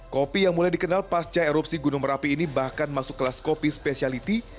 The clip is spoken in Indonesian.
kopi yang mulai dikenal pasca erupsi gunung merapi ini bahkan masuk kelas kopi spesialiti